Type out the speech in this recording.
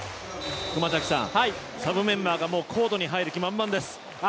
サブメンバーがもう、コートに入る気満々です。